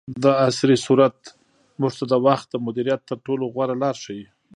دعصري سورت موږ ته د وخت د مدیریت تر ټولو غوره لار ښیي.